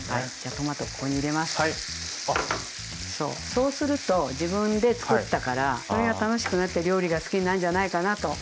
そうすると自分でつくったからそれが楽しくなって料理が好きになるんじゃないかなと。